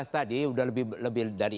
dua belas tadi sudah lebih dari